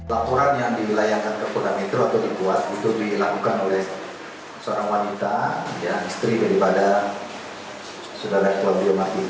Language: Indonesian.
laporan yang dilayangkan kepada metro jaya untuk dibuat itu dilakukan oleh seorang wanita yang istri daripada saudara claudio martinez